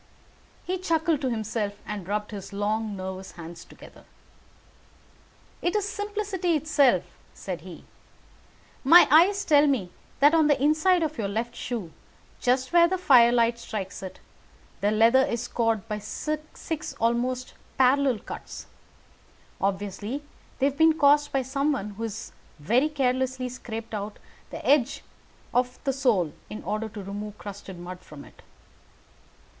He chuckled to himself and rubbed his long nervous hands together. "It is simplicity itself," said he, "my eyes tell me that on the inside of your left shoe, just where the firelight strikes it, the leather is scored by six almost parallel cuts. Obviously they have been caused by someone who has very carelessly scraped round the edges of the sole in order to remove crusted mud from it.